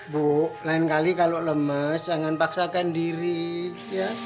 bu lain kali kalau lemes jangan paksakan diri ya